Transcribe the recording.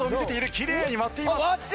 きれいに割っています。